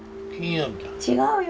違うよ。